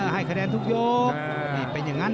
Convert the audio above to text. ให้คะแนนทุกยกนี่เป็นอย่างนั้น